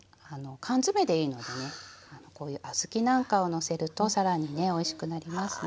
缶詰でいいのでねこういう小豆なんかをのせるとさらにねおいしくなりますね。